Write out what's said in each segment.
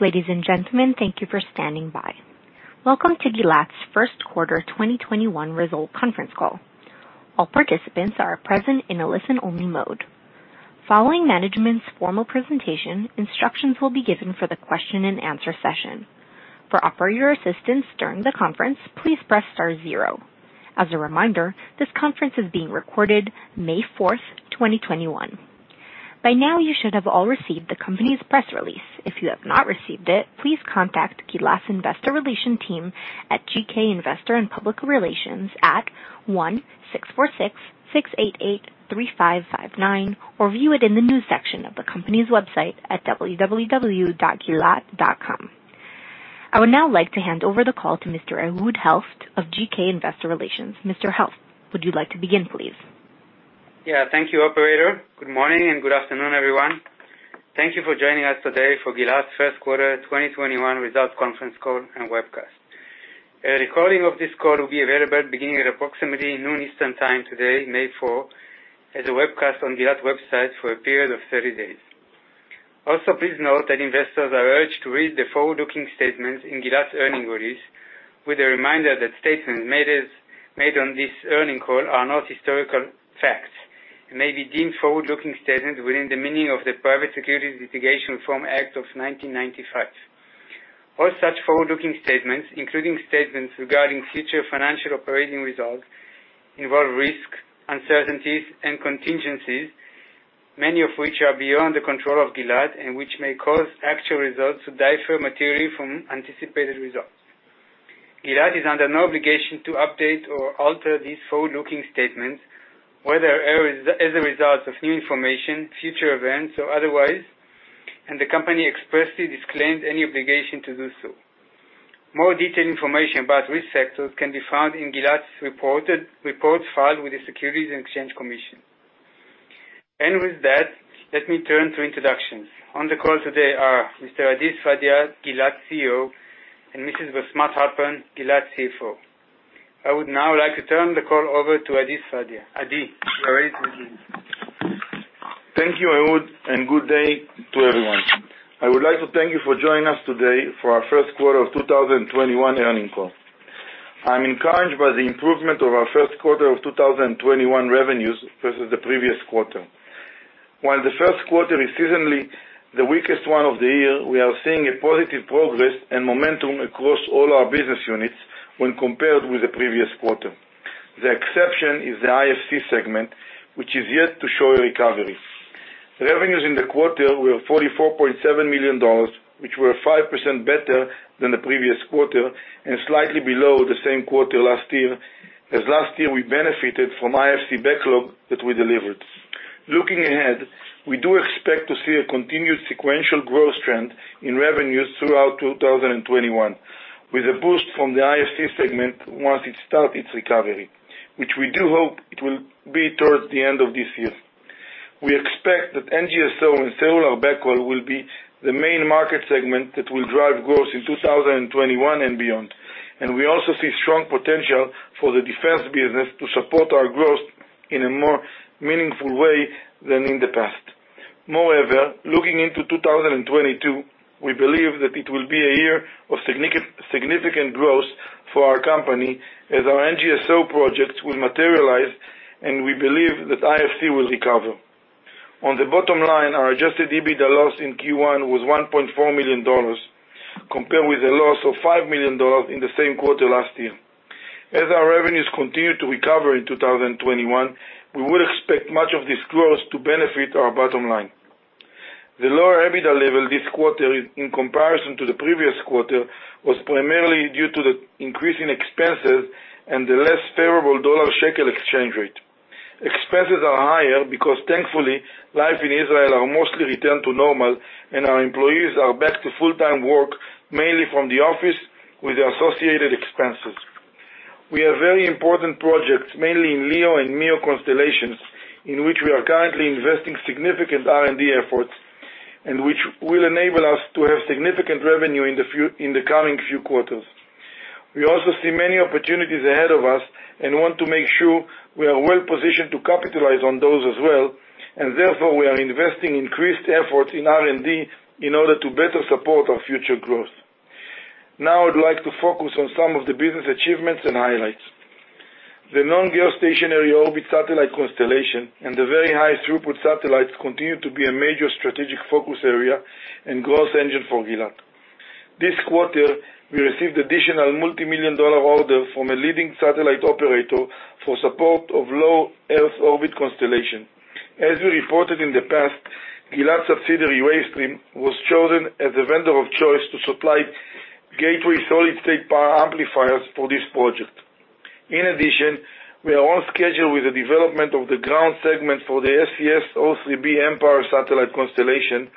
Ladies and gentlemen, thank you for standing by. Welcome to Gilat's First Quarter 2021 Result Conference Call. All participants are present in a listen-only mode. Following management's formal presentation, instructions will be given for the question and answer session. For operator assistance during the conference, please press star zero. As a reminder, this conference is being recorded May 4th, 2021. By now, you should have all received the company's press release. If you have not received it, please contact Gilat's investor relation team at GK Investor & Public Relations at 1-646-688-3559, or view it in the news section of the company's website at www.gilat.com. I would now like to hand over the call to Mr. Ehud Helft of GK Investor Relations. Mr. Helft, would you like to begin, please? Yeah, thank you, operator. Good morning and good afternoon, everyone. Thank you for joining us today for Gilat's first quarter 2021 results conference call and webcast. A recording of this call will be available beginning at approximately noon Eastern Time today, May 4, as a webcast on Gilat website for a period of 30 days. Please note that investors are urged to read the forward-looking statements in Gilat's earnings release, with a reminder that statements made on this earnings call are not historical facts and may be deemed forward-looking statements within the meaning of the Private Securities Litigation Reform Act of 1995. All such forward-looking statements, including statements regarding future financial operating results, involve risks, uncertainties, and contingencies, many of which are beyond the control of Gilat and which may cause actual results to differ materially from anticipated results. Gilat is under no obligation to update or alter these forward-looking statements, whether as a result of new information, future events, or otherwise, the company expressly disclaims any obligation to do so. More detailed information about risk factors can be found in Gilat's reports filed with the Securities and Exchange Commission. With that, let me turn to introductions. On the call today are Mr. Adi Sfadia, Gilat CEO, and Mrs. Bosmat Halpern, Gilat CFO. I would now like to turn the call over to Adi Sfadia. Adi, you are ready to begin. Thank you, Ehud. Good day to everyone. I would like to thank you for joining us today for our first quarter of 2021 earnings call. I'm encouraged by the improvement of our first quarter of 2021 revenues versus the previous quarter. While the first quarter is seasonally the weakest one of the year, we are seeing a positive progress and momentum across all our business units when compared with the previous quarter. The exception is the IFC segment, which is yet to show a recovery. Revenues in the quarter were $44.7 million, which were 5% better than the previous quarter and slightly below the same quarter last year, as last year we benefited from IFC backlog that we delivered. Looking ahead, we do expect to see a continued sequential growth trend in revenues throughout 2021, with a boost from the IFC segment once it start its recovery, which we do hope it will be towards the end of this year. We expect that NGSO and cellular backhaul will be the main market segment that will drive growth in 2021 and beyond. We also see strong potential for the defense business to support our growth in a more meaningful way than in the past. Moreover, looking into 2022, we believe that it will be a year of significant growth for our company as our NGSO projects will materialize, and we believe that IFC will recover. On the bottom line, our adjusted EBITDA loss in Q1 was $1.4 million, compared with a loss of $5 million in the same quarter last year. As our revenues continue to recover in 2021, we would expect much of this growth to benefit our bottom line. The lower EBITDA level this quarter in comparison to the previous quarter was primarily due to the increase in expenses and the less favorable dollar-shekel exchange rate. Expenses are higher because, thankfully, life in Israel are mostly returned to normal, and our employees are back to full-time work, mainly from the office, with the associated expenses. We have very important projects, mainly in LEO and MEO constellations, in which we are currently investing significant R&D efforts and which will enable us to have significant revenue in the coming few quarters. We also see many opportunities ahead of us and want to make sure we are well-positioned to capitalize on those as well, and therefore, we are investing increased efforts in R&D in order to better support our future growth. Now, I'd like to focus on some of the business achievements and highlights. The non-geostationary orbit satellite constellation and the very high throughput satellites continue to be a major strategic focus area and growth engine for Gilat. This quarter, we received additional multimillion-dollar order from a leading satellite operator for support of Low Earth Orbit constellation. As we reported in the past, Gilat subsidiary, Wavestream, was chosen as a vendor of choice to supply Gateway Solid State Power Amplifiers for this project. In addition, we are on schedule with the development of the ground segment for the SES O3b mPOWER satellite constellation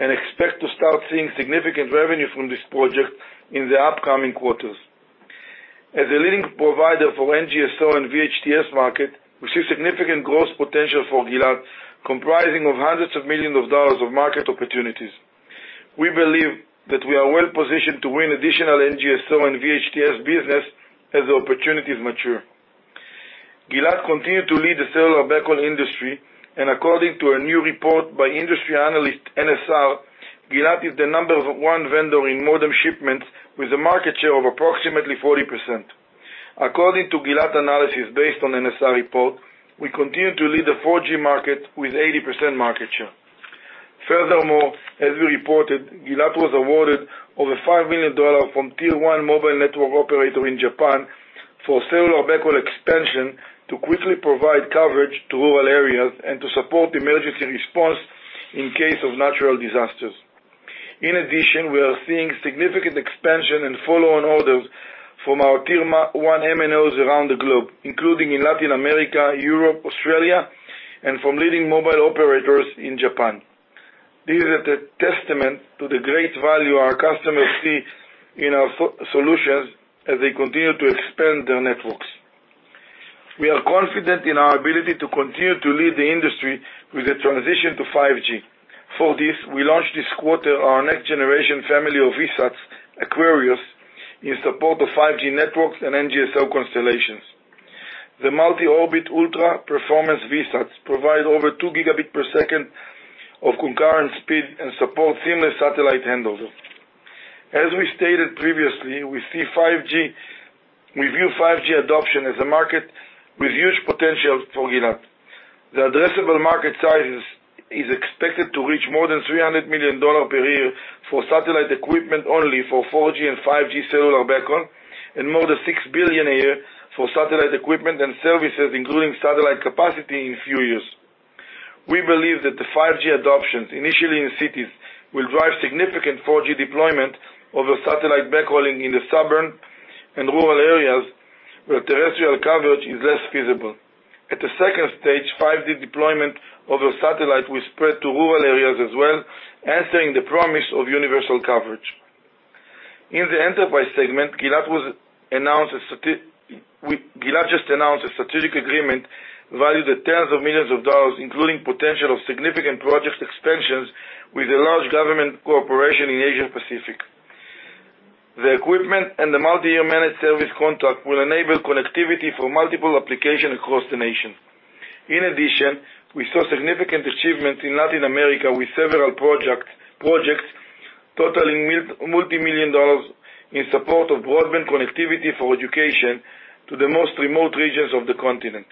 and expect to start seeing significant revenue from this project in the upcoming quarters. As a leading provider for NGSO and VHTS market, we see significant growth potential for Gilat comprising of hundreds of millions of dollars of market opportunities. We believe that we are well-positioned to win additional NGSO and VHTS business as the opportunities mature. Gilat continued to lead the cellular backhaul industry, and according to a new report by industry analyst NSR, Gilat is the number one vendor in modem shipments, with a market share of approximately 40%. According to Gilat analysis, based on NSR report, we continue to lead the 4G market with 80% market share. Furthermore, as we reported, Gilat was awarded over $5 million from Tier 1 mobile network operator in Japan for cellular backhaul expansion to quickly provide coverage to rural areas and to support emergency response in case of natural disasters. In addition, we are seeing significant expansion and follow-on orders from our Tier 1 MNOs around the globe, including in Latin America, Europe, Australia, and from leading mobile operators in Japan. This is a testament to the great value our customers see in our solutions as they continue to expand their networks. We are confident in our ability to continue to lead the industry with the transition to 5G. We launched this quarter our next-generation family of VSATs, Aquarius, in support of 5G networks and NGSO constellations. The multi-orbit ultra performance VSATs provide over 2 Gbps of concurrent speed and support seamless satellite handover. As we stated previously, we view 5G adoption as a market with huge potential for Gilat. The addressable market size is expected to reach more than $300 million per year for satellite equipment only for 4G and 5G cellular backhaul, and more than $6 billion a year for satellite equipment and services, including satellite capacity in a few years. We believe that the 5G adoptions, initially in cities, will drive significant 4G deployment of the satellite backhauling in the suburban and rural areas, where terrestrial coverage is less feasible. At the second stage, 5G deployment of a satellite will spread to rural areas as well, answering the promise of universal coverage. In the enterprise segment, Gilat just announced a strategic agreement valued at tens of millions of dollars, including potential of significant project extensions with a large government corporation in Asia Pacific. The equipment and the multi-year managed service contract will enable connectivity for multiple applications across the nation. In addition, we saw significant achievements in Latin America with several projects totaling multi-million dollars in support of broadband connectivity for education to the most remote regions of the continent.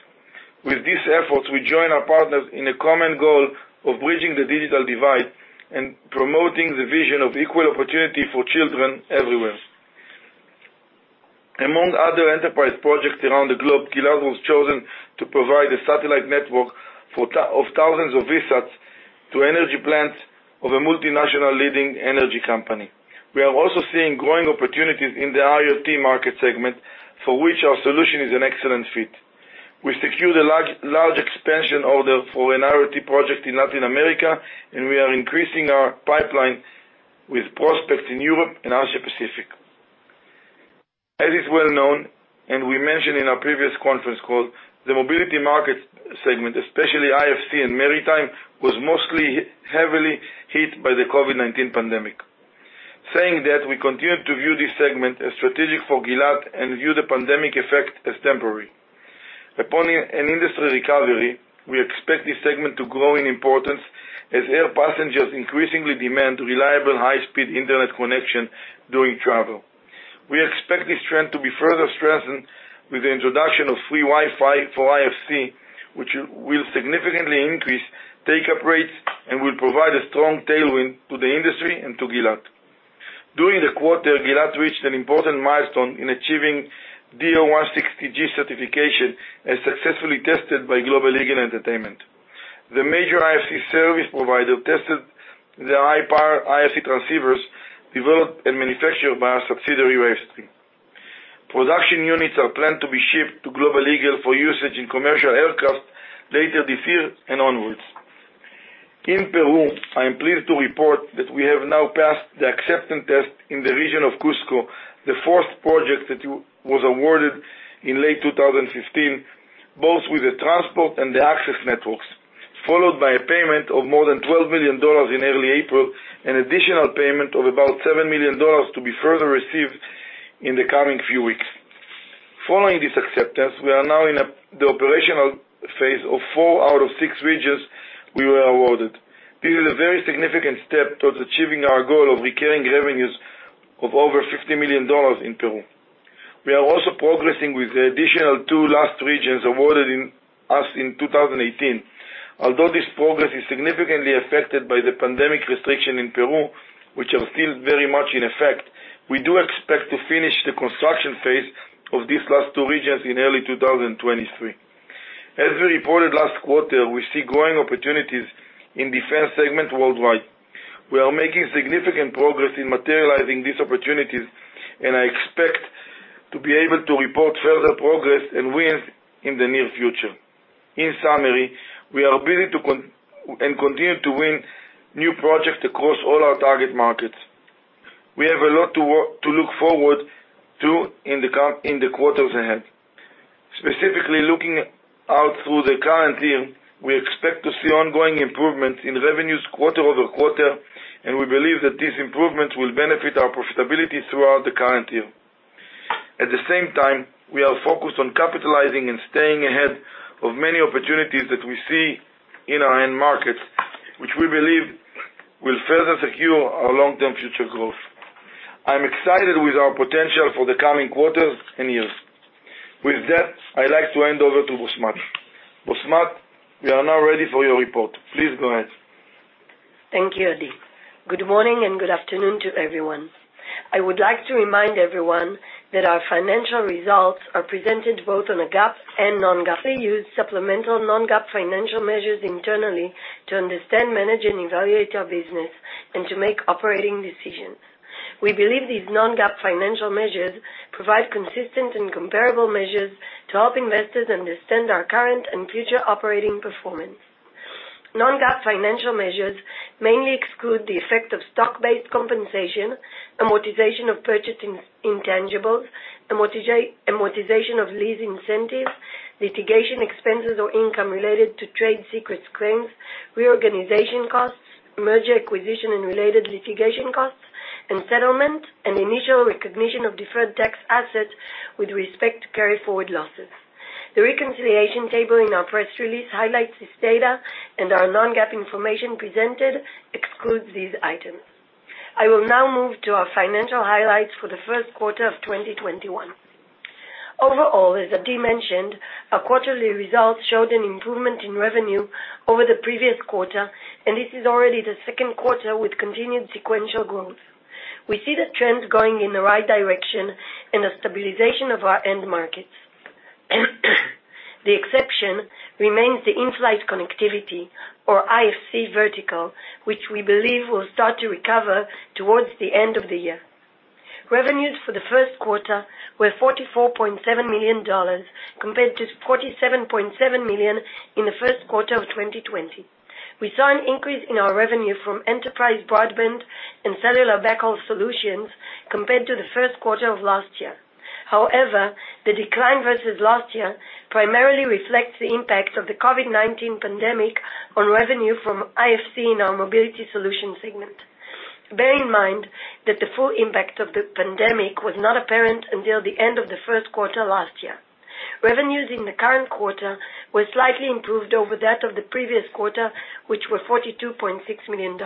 With these efforts, we join our partners in a common goal of bridging the digital divide and promoting the vision of equal opportunity for children everywhere. Among other enterprise projects around the globe, Gilat was chosen to provide a satellite network of thousands of VSATs to energy plants of a multinational leading energy company. We are also seeing growing opportunities in the IoT market segment, for which our solution is an excellent fit. We secured a large expansion order for an IoT project in Latin America, and we are increasing our pipeline with prospects in Europe and Asia Pacific. As is well known, and we mentioned in our previous conference call, the mobility market segment, especially IFC and maritime, was mostly heavily hit by the COVID-19 pandemic. Saying that, we continue to view this segment as strategic for Gilat and view the pandemic effect as temporary. Upon an industry recovery, we expect this segment to grow in importance as air passengers increasingly demand reliable, high-speed internet connection during travel. We expect this trend to be further strengthened with the introduction of free Wi-Fi for IFC, which will significantly increase take-up rates and will provide a strong tailwind to the industry and to Gilat. During the quarter, Gilat reached an important milestone in achieving DO-160G certification as successfully tested by Global Eagle Entertainment. The major IFC service provider tested the high-power IFC transceivers developed and manufactured by our subsidiary, Wavestream. Production units are planned to be shipped to Global Eagle for usage in commercial aircraft later this year and onwards. In Peru, I am pleased to report that we have now passed the acceptance test in the region of Cusco, the fourth project that was awarded in late 2015, both with the transport and the access networks, followed by a payment of more than $12 million in early April, an additional payment of about $7 million to be further received in the coming few weeks. Following this acceptance, we are now in the operational phase of four out of six regions we were awarded. This is a very significant step towards achieving our goal of recurring revenues of over $50 million in Peru. We are also progressing with the additional two last regions awarded us in 2018. Although this progress is significantly affected by the pandemic restriction in Peru, which are still very much in effect, we do expect to finish the construction phase of these last two regions in early 2023. As we reported last quarter, we see growing opportunities in defense segment worldwide. I expect to be able to report further progress and wins in the near future. In summary, we are building and continue to win new projects across all our target markets. We have a lot to look forward to in the quarters ahead. Specifically, looking out through the current year, we expect to see ongoing improvement in revenues quarter-over-quarter. We believe that these improvements will benefit our profitability throughout the current year. At the same time, we are focused on capitalizing and staying ahead of many opportunities that we see in our end markets, which we believe will further secure our long-term future growth. I'm excited with our potential for the coming quarters and years. With that, I'd like to hand over to Bosmat. Bosmat, we are now ready for your report. Please go ahead. Thank you, Adi. Good morning and good afternoon to everyone. I would like to remind everyone that our financial results are presented both on a GAAP and non-GAAP. We use supplemental non-GAAP financial measures internally to understand, manage, and evaluate our business and to make operating decisions. We believe these non-GAAP financial measures provide consistent and comparable measures to help investors understand our current and future operating performance. Non-GAAP financial measures mainly exclude the effect of stock-based compensation, amortization of purchased intangibles, amortization of lease incentives, litigation expenses or income related to trade secret claims, reorganization costs, merger acquisition and related litigation costs and settlement, and initial recognition of deferred tax assets with respect to carryforward losses. The reconciliation table in our press release highlights this data and our non-GAAP information presented excludes these items. I will now move to our financial highlights for the first quarter of 2021. Overall, as Adi mentioned, our quarterly results showed an improvement in revenue over the previous quarter, and this is already the second quarter with continued sequential growth. We see the trend going in the right direction and a stabilization of our end markets. The exception remains the in-flight connectivity or IFC vertical, which we believe will start to recover towards the end of the year. Revenues for the first quarter were $44.7 million, compared to $47.7 million in the first quarter of 2020. We saw an increase in our revenue from enterprise broadband and cellular backhaul solutions compared to the first quarter of last year. The decline versus last year primarily reflects the impact of the COVID-19 pandemic on revenue from IFC in our mobility solution segment. Bear in mind that the full impact of the pandemic was not apparent until the end of the first quarter last year. Revenues in the current quarter were slightly improved over that of the previous quarter, which were $42.6 million.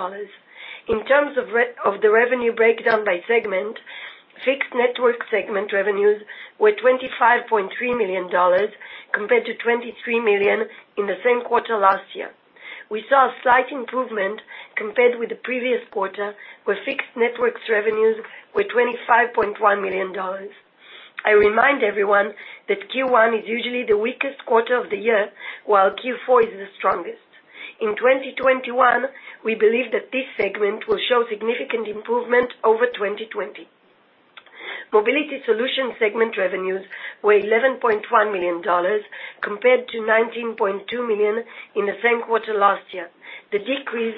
In terms of the revenue breakdown by segment, Fixed Network segment revenues were $25.3 million compared to $23 million in the same quarter last year. We saw a slight improvement compared with the previous quarter, where Fixed Network revenues were $25.1 million. I remind everyone that Q1 is usually the weakest quarter of the year, while Q4 is the strongest. In 2021, we believe that this segment will show significant improvement over 2020. Mobility Solution segment revenues were $11.1 million, compared to $19.2 million in the same quarter last year. The decrease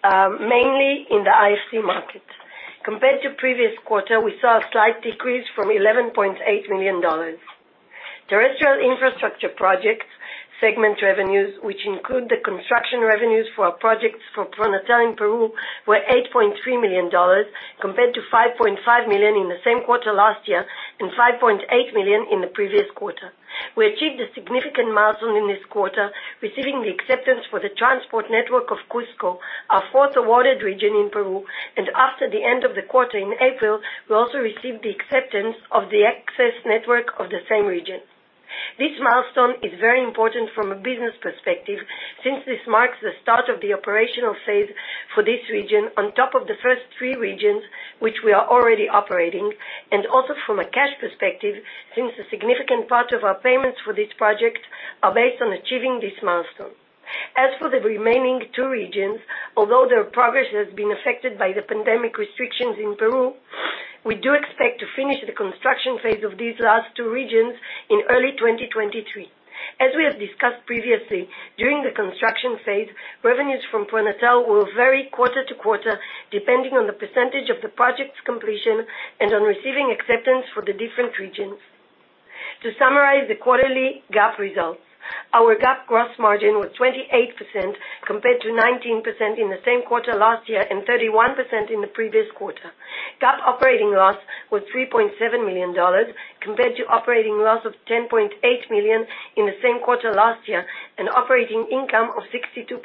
mainly in the IFC market. Compared to previous quarter, we saw a slight decrease from $11.8 million. Terrestrial Infrastructure Projects segment revenues, which include the construction revenues for our projects for PRONATEL in Peru, were $8.3 million, compared to $5.5 million in the same quarter last year and $5.8 million in the previous quarter. We achieved a significant milestone in this quarter, receiving the acceptance for the transport network of Cusco, our fourth awarded region in Peru, and after the end of the quarter in April, we also received the acceptance of the access network of the same region. This milestone is very important from a business perspective since this marks the start of the operational phase for this region on top of the first three regions which we are already operating, and also from a cash perspective, since a significant part of our payments for this project are based on achieving this milestone. As for the remaining two regions, although their progress has been affected by the pandemic restrictions in Peru, we do expect to finish the construction phase of these last two regions in early 2023. As we have discussed previously, during the construction phase, revenues from PRONATEL will vary quarter to quarter, depending on the percentage of the project's completion and on receiving acceptance for the different regions. To summarize the quarterly GAAP results, our GAAP gross margin was 28% compared to 19% in the same quarter last year and 31% in the previous quarter. GAAP operating loss was $3.7 million compared to operating loss of $10.8 million in the same quarter last year, and operating income of $62.7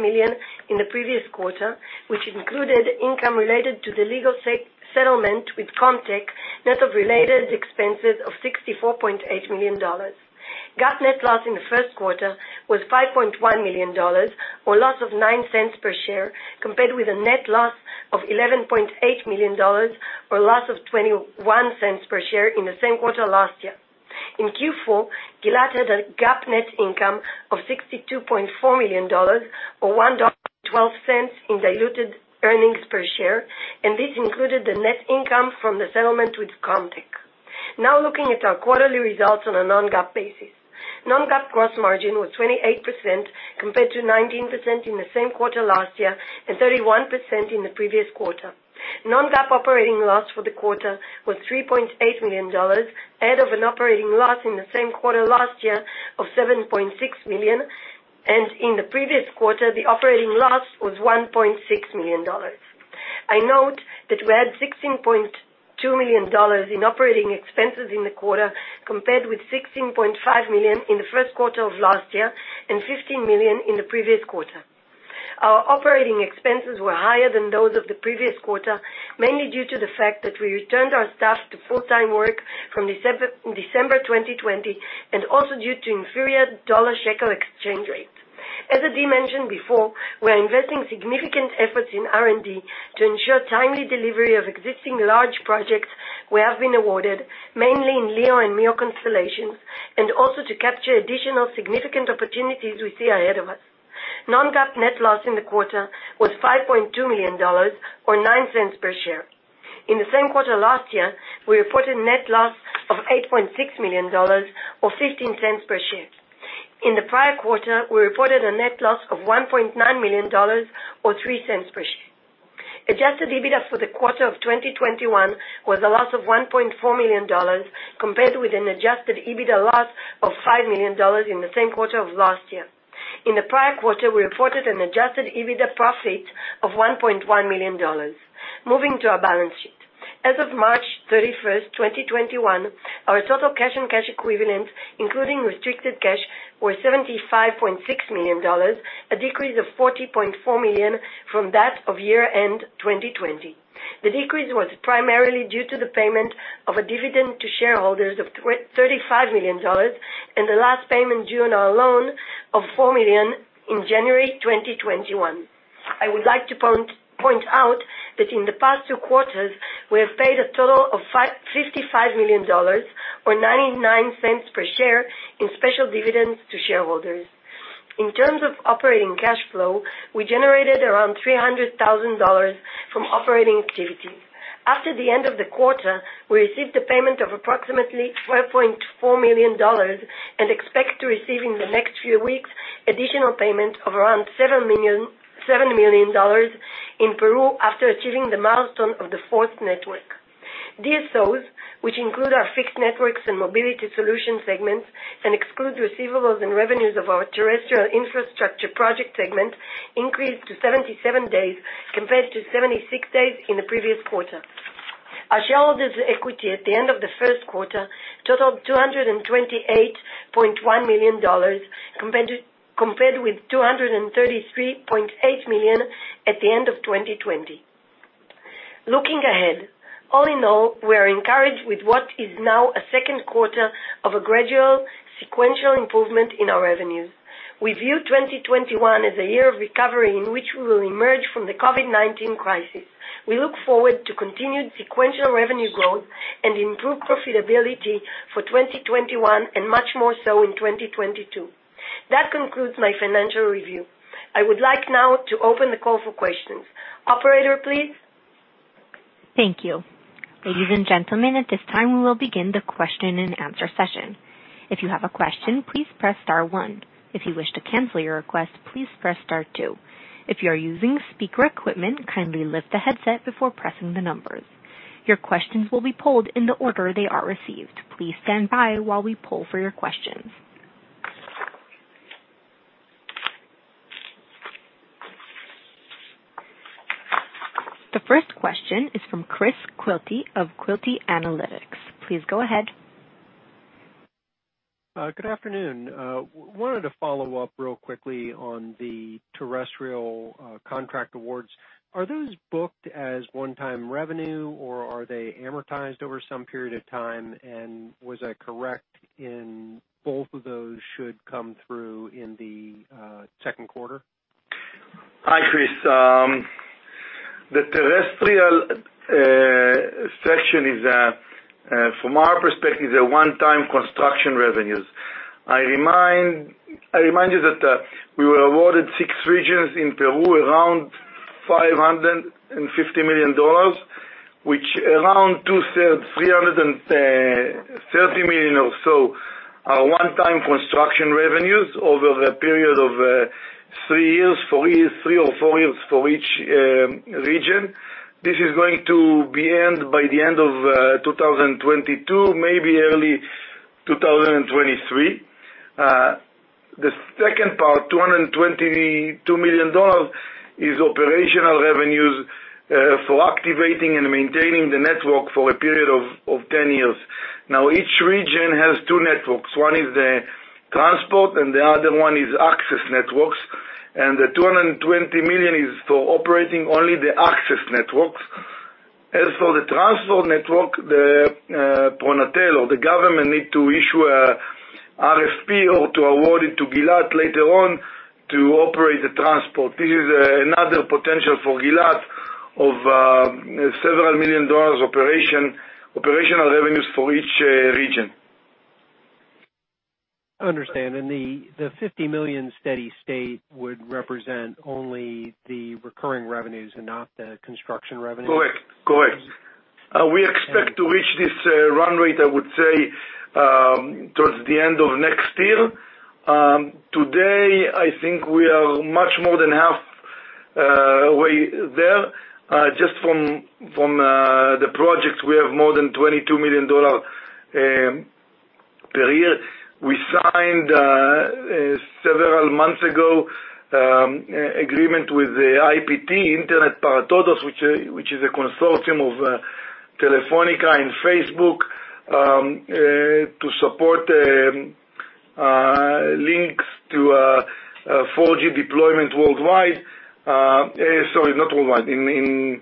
million in the previous quarter, which included income related to the legal settlement with Comtech, net of related expenses of $64.8 million. GAAP net loss in the first quarter was $5.1 million, or loss of $0.09 per share, compared with a net loss of $11.8 million, or loss of $0.21 per share in the same quarter last year. In Q4, Gilat had a GAAP net income of $62.4 million, or $1.12 in diluted earnings per share, and this included the net income from the settlement with Comtech. Looking at our quarterly results on a non-GAAP basis. Non-GAAP gross margin was 28%, compared to 19% in the same quarter last year, and 31% in the previous quarter. Non-GAAP operating loss for the quarter was $3.8 million, ahead of an operating loss in the same quarter last year of $7.6 million, and in the previous quarter, the operating loss was $1.6 million. I note that we had $16.2 million in operating expenses in the quarter, compared with $16.5 million in the first quarter of last year and $15 million in the previous quarter. Our operating expenses were higher than those of the previous quarter, mainly due to the fact that we returned our staff to full-time work from December 2020, also due to inferior dollar-shekel exchange rate. As Adi mentioned before, we're investing significant efforts in R&D to ensure timely delivery of existing large projects we have been awarded, mainly in LEO and MEO constellations, and also to capture additional significant opportunities we see ahead of us. Non-GAAP net loss in the quarter was $5.2 million, or $0.09 per share. In the same quarter last year, we reported net loss of $8.6 million or $0.15 per share. In the prior quarter, we reported a net loss of $1.9 million or $0.03 per share. Adjusted EBITDA for the quarter of 2021 was a loss of $1.4 million, compared with an adjusted EBITDA loss of $5 million in the same quarter of last year. In the prior quarter, we reported an adjusted EBITDA profit of $1.1 million. Moving to our balance sheet. As of March 31st, 2021, our total cash and cash equivalents, including restricted cash, were $75.6 million, a decrease of $40.4 million from that of year-end 2020. The decrease was primarily due to the payment of a dividend to shareholders of $35 million, and the last payment due on our loan of $4 million in January 2021. I would like to point out that in the past two quarters, we have paid a total of $55 million or $0.99 per share in special dividends to shareholders. In terms of operating cash flow, we generated around $300,000 from operating activities. After the end of the quarter, we received a payment of approximately $12.4 million and expect to receive in the next few weeks additional payment of around $7 million in Peru after achieving the milestone of the fourth network. DSOs, which include our Fixed Networks and Mobility Solution segments and excludes receivables and revenues of our Terrestrial Infrastructure Project segment, increased to 77 days compared to 76 days in the previous quarter. Our shareholders' equity at the end of the first quarter totaled $228.1 million, compared with $233.8 million at the end of 2020. Looking ahead, all in all, we are encouraged with what is now a second quarter of a gradual sequential improvement in our revenues. We view 2021 as a year of recovery in which we will emerge from the COVID-19 crisis. We look forward to continued sequential revenue growth and improved profitability for 2021, and much more so in 2022. That concludes my financial review. I would like now to open the call for questions. Operator, please? Thank you. Ladies and gentlemen, at this time we will begin the question and answer session. If you have a question, please press star one. If you wish to cancel your request, please press star two. If you are using speaker equipment, kindly lift the headset before pressing the numbers. Your questions will be polled in the order they are received. Please stand by while we poll for your questions. The first question is from Chris Quilty of Quilty Analytics. Please go ahead. Good afternoon. I wanted to follow up real quickly on the terrestrial contract awards. Are those booked as one-time revenue, or are they amortized over some period of time, and was I correct in both of those should come through in the second quarter? Hi, Chris. The Terrestrial section from our perspective, is a one-time construction revenues. I remind you that we were awarded six regions in Peru, around $550 million, which around 2/3, $330 million or so, are one-time construction revenues over a period of three or four years for each region. This is going to be end by the end of 2022, maybe early 2023. The second part, $222 million is operational revenues for activating and maintaining the network for a period of 10 years. Now, each region has two networks. One is the transport and the other one is access networks, and the $220 million is for operating only the access networks. As for the transport network, the PRONATEL or the government need to issue a RFP or to award it to Gilat later on to operate the transport. This is another potential for Gilat of several million dollars operational revenues for each region. Understand. The $50 million steady state would represent only the recurring revenues and not the construction revenues? Correct. We expect to reach this run rate, I would say, towards the end of next year. Today, I think we are much more than halfway there. Just from the projects, we have more than $22 million per year. We signed, several months ago, agreement with the IPT, Internet para Todos, which is a consortium of Telefónica and Facebook, to support links to 4G deployment worldwide. Sorry, not worldwide, in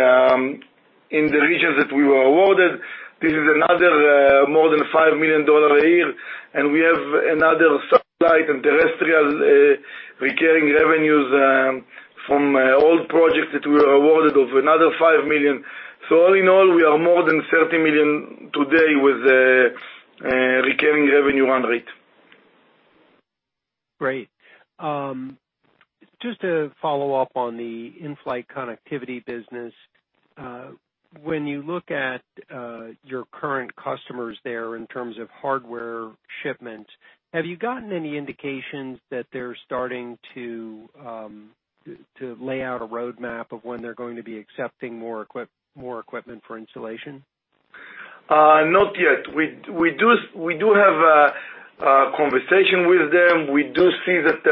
the regions that we were awarded. This is another more than $5 million a year, and we have another satellite and terrestrial recurring revenues from old projects that we were awarded of another $5 million. All in all, we are more than $30 million today with the recurring revenue run rate. Great. Just to follow up on the in-flight connectivity business. When you look at your current customers there in terms of hardware shipments, have you gotten any indications that they're starting to lay out a roadmap of when they're going to be accepting more equipment for installation? Not yet. We do have a conversation with them. We do see that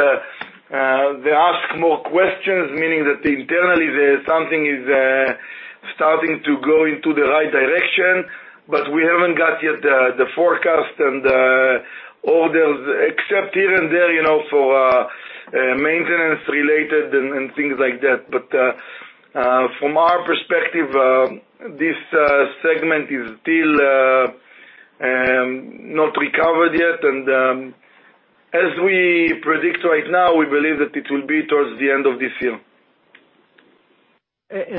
they ask more questions, meaning that internally, something is starting to go into the right direction, but we haven't got yet the forecast and the orders, except here and there, for maintenance-related and things like that. From our perspective, this segment is still not recovered yet, and as we predict right now, we believe that it will be towards the end of this year.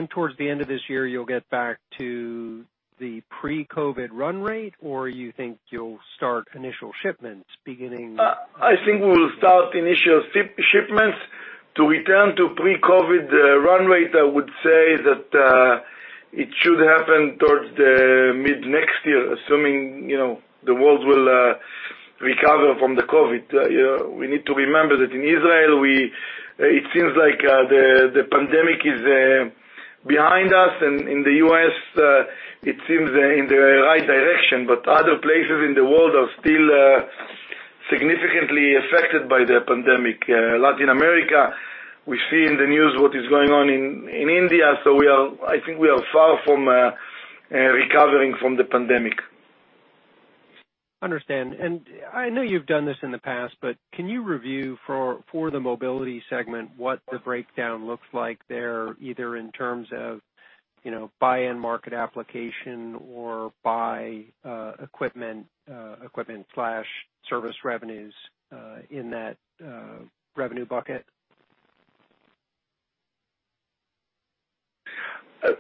Towards the end of this year, you'll get back to the pre-COVID run rate, or you think you'll start initial shipments? I think we will start initial shipments. To return to pre-COVID run rate, I would say that it should happen towards the mid-next year, assuming the world will recover from the COVID. We need to remember that in Israel, it seems like the pandemic is behind us. In the U.S., it seems in the right direction, but other places in the world are still significantly affected by the pandemic. Latin America, we see in the news what is going on in India. I think we are far from recovering from the pandemic. Understand. I know you've done this in the past, but can you review for the Mobility segment, what the breakdown looks like there, either in terms of buy-in market application or by equipment/service revenues, in that revenue bucket?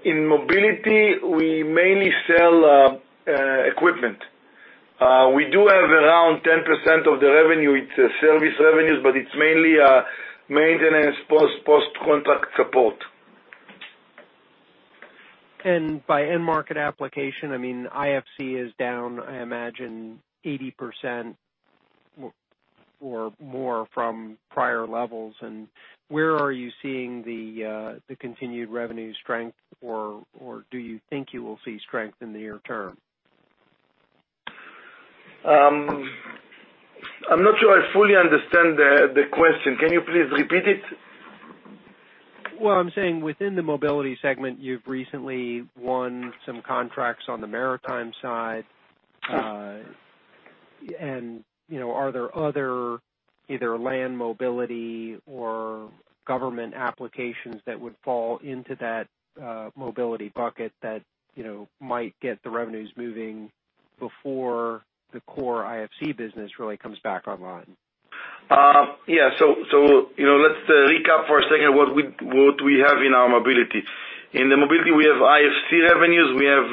In Mobility, we mainly sell equipment. We do have around 10% of the revenue, it's service revenues, but it's mainly maintenance post-contract support. By end market application, IFC is down, I imagine 80% or more from prior levels, and where are you seeing the continued revenue strength, or do you think you will see strength in the near term? I'm not sure I fully understand the question. Can you please repeat it? Well, I'm saying within the Mobility segment, you've recently won some contracts on the maritime side. Yes. Are there other either land mobility or government applications that would fall into that mobility bucket that might get the revenues moving before the core IFC business really comes back online? Let's recap for a second what we have in our mobility. In the mobility, we have IFC revenues, we have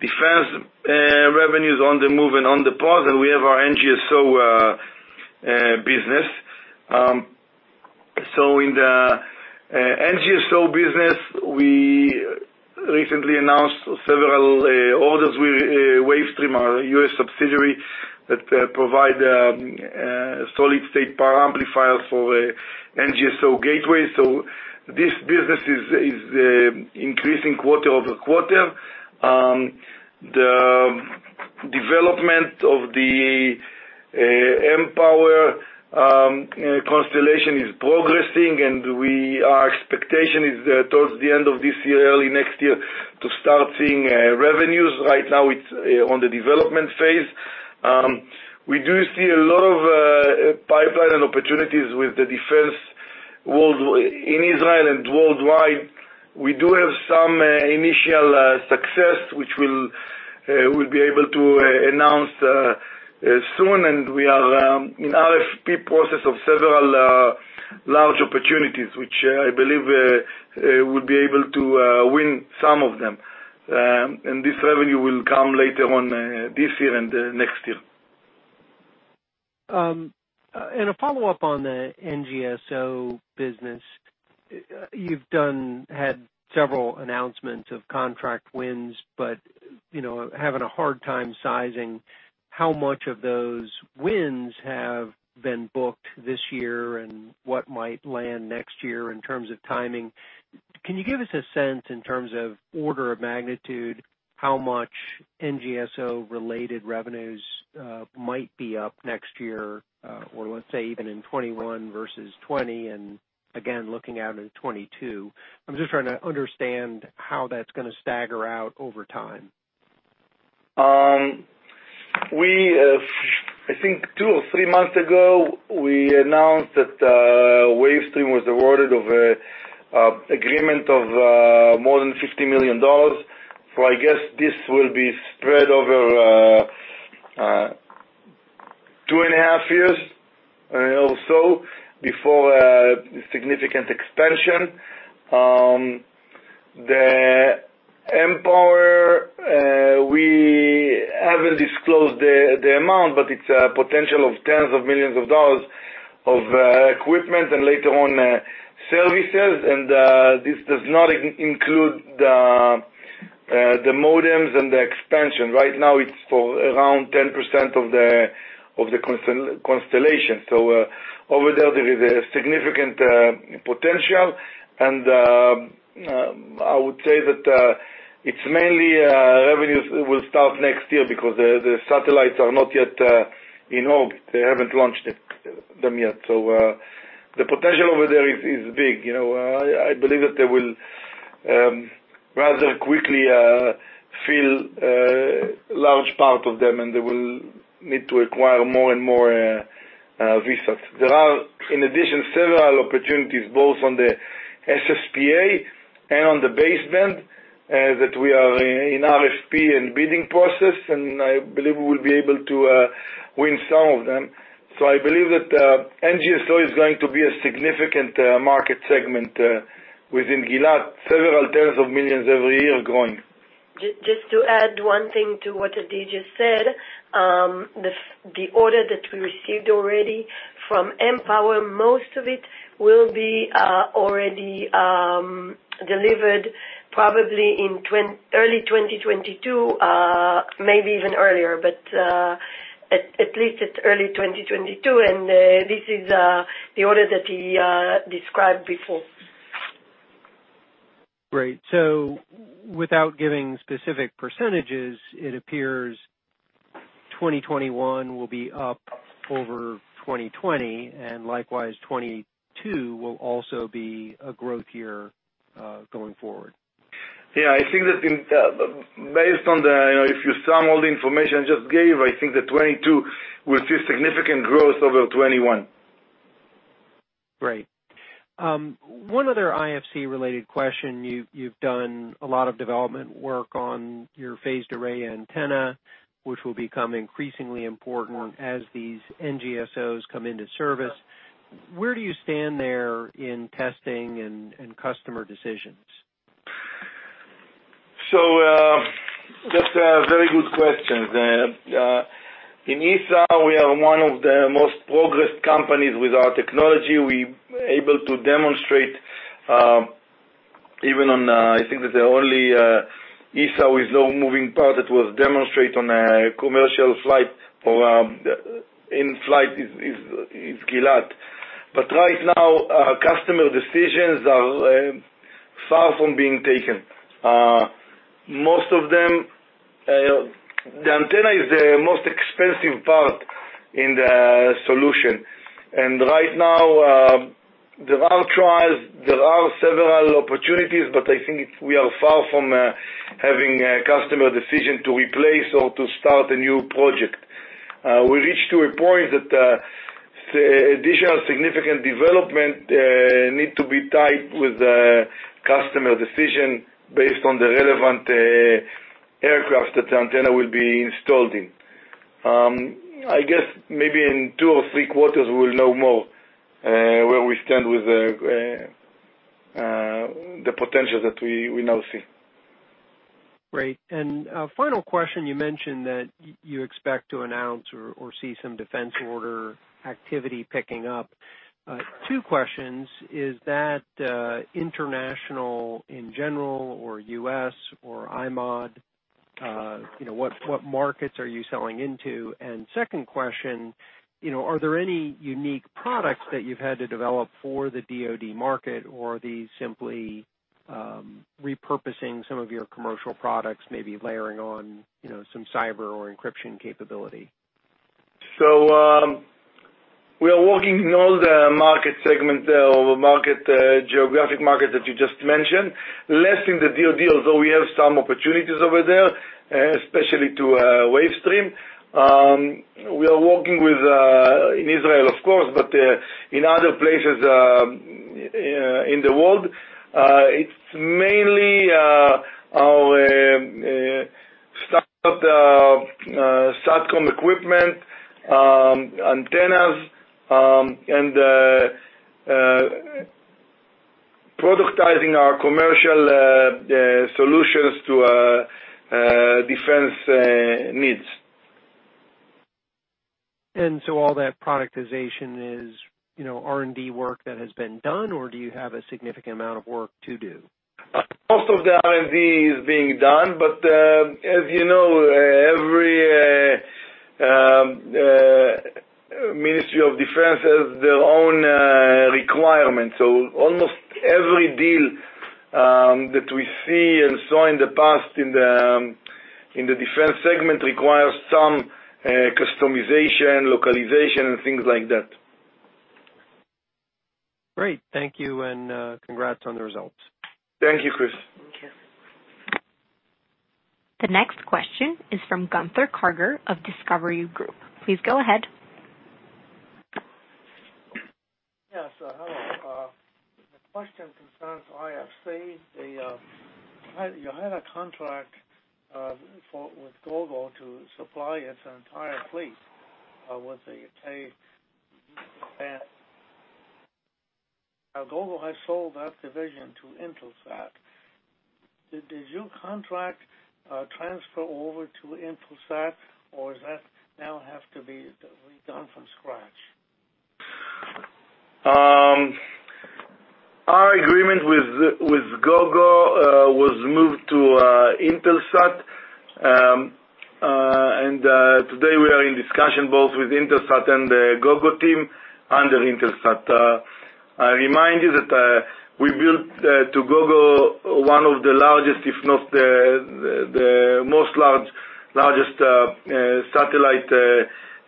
defense revenues on the move and on-the-pause, we have our NGSO business. In the NGSO business, we recently announced several orders with Wavestream, our U.S. subsidiary, that provide solid-state power amplifiers for NGSO gateways. This business is increasing quarter-over-quarter. The development of the mPOWER constellation is progressing, and our expectation is towards the end of this year, early next year, to start seeing revenues. Right now, it's on the development phase. We do see a lot of pipeline and opportunities with the defense in Israel and worldwide. We do have some initial success, which we'll be able to announce soon, and we are in RFP process of several large opportunities, which I believe we'll be able to win some of them. This revenue will come later on this year and next year. A follow-up on the NGSO business. You've had several announcements of contract wins, but having a hard time sizing how much of those wins have been booked this year and what might land next year in terms of timing. Can you give us a sense in terms of order of magnitude, how much NGSO-related revenues might be up next year, or let's say even in 2021 versus 2020, and again, looking out into 2022? I'm just trying to understand how that's going to stagger out over time. I think two or three months ago, we announced that Wavestream was awarded of an agreement of more than $50 million. I guess this will be spread over two and a half years or so before a significant expansion. The mPOWER, we haven't disclosed the amount, but it's a potential of tens of millions of dollars of equipment, and later on, services, and this does not include the modems and the expansion. Right now, it's for around 10% of the constellation. Over there is a significant potential, and I would say that it's mainly revenues will start next year because the satellites are not yet in orbit. They haven't launched them yet. The potential over there is big. I believe that they will rather quickly fill a large part of them, and they will need to acquire more and more VSATs. There are, in addition, several opportunities both on the SSPA and on the baseband, that we are in RFP and bidding process, and I believe we will be able to win some of them. I believe that NGSO is going to be a significant market segment within Gilat, several tens of millions of dollars every year growing. Just to add one thing to what Adi just said. The order that we received already from mPOWER, most of it will be already delivered probably in early 2022, maybe even earlier. At least it's early 2022, and this is the order that he described before. Great. Without giving specific percentages, it appears 2021 will be up over 2020, and likewise, 2022 will also be a growth year going forward. Yeah, if you sum all the information I just gave, I think that 2022 will see significant growth over 2021. Great. One other IFC-related question. You've done a lot of development work on your phased array antenna, which will become increasingly important as these NGSOs come into service. Where do you stand there in testing and customer decisions? That's a very good question. In ESA, we are one of the most progressed companies with our technology. We are able to demonstrate, I think that the only ESA with no moving part that was demonstrated on a commercial flight or in flight is Gilat. Right now, customer decisions are far from being taken. The antenna is the most expensive part in the solution. Right now, there are trials, there are several opportunities, I think we are far from having a customer decision to replace or to start a new project. We reached to a point that additional significant development need to be tied with a customer decision based on the relevant aircraft that the antenna will be installed in. I guess maybe in two or three quarters, we will know more where we stand with the potential that we now see. Great. Final question, you mentioned that you expect to announce or see some defense order activity picking up. Two questions, is that international in general or U.S. or IMOD? What markets are you selling into? Second question, are there any unique products that you've had to develop for the DOD market, or are these simply repurposing some of your commercial products, maybe layering on some cyber or encryption capability? We are working in all the market segment or geographic market that you just mentioned. Less in the DOD, although we have some opportunities over there, especially to Wavestream. We are working in Israel, of course, but in other places in the world, it's mainly our SATCOM equipment, antennas, and productizing our commercial solutions to Defense needs. All that productization is R&D work that has been done, or do you have a significant amount of work to do? Most of the R&D is being done. As you know, every Ministry of Defense has their own requirements. Almost every deal that we see and saw in the past in the Defense segment requires some customization, localization, and things like that. Great. Thank you, congrats on the results. Thank you, Chris. Okay. The next question is from Gunther Karger of Discovery Group. Please go ahead. Yes. Hello. The question concerns IFC. You had a contract with Gogo to supply its entire fleet with the Ka-band. Gogo has sold that division to Intelsat. Did your contract transfer over to Intelsat, or does that now have to be redone from scratch? Our agreement with Gogo was moved to Intelsat, and today we are in discussion both with Intelsat and the Gogo team under Intelsat. I remind you that we built to Gogo one of the largest, if not the most largest satellite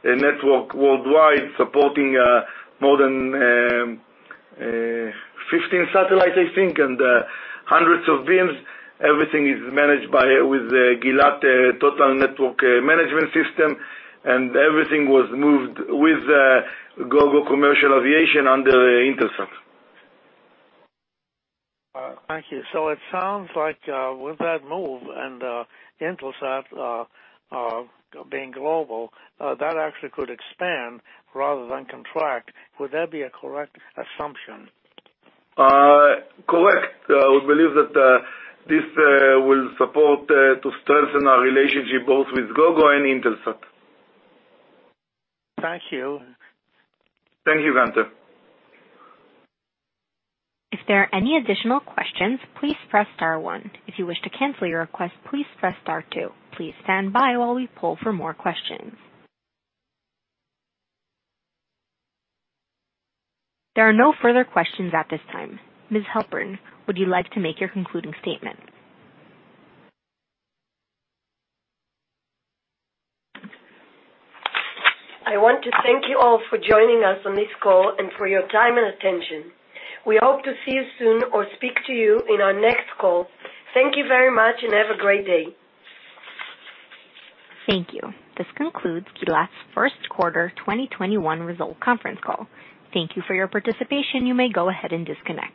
network worldwide, supporting more than 15 satellites, I think, and hundreds of beams. Everything is managed with the Gilat TotalNMS, and everything was moved with Gogo Commercial Aviation under Intelsat. Thank you. It sounds like with that move and Intelsat being global, that actually could expand rather than contract. Would that be a correct assumption? Correct. We believe that this will support to strengthen our relationship both with Gogo and Intelsat. Thank you. Thank you, Gunther. There are no further questions at this time. Ms. Halpern, would you like to make your concluding statement? I want to thank you all for joining us on this call and for your time and attention. We hope to see you soon or speak to you in our next call. Thank you very much and have a great day. Thank you. This concludes Gilat's first quarter 2021 result conference call. Thank you for your participation. You may go ahead and disconnect.